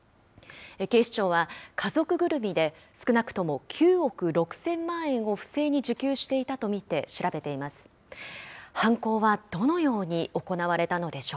警視庁は、家族ぐるみで少なくとも９億６０００万円を不正に受給していたと見て、調べています。